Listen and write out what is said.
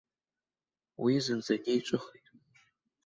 Уи зынӡагьы иҿыхеит.